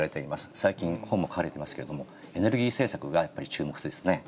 最近、本も書かれてますけれども、エネルギー政策がやっぱり注目ですね。